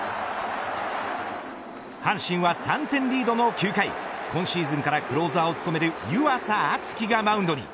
阪神は３点リードの９回今シーズンからクローザーを務める湯浅京己がマウンドに。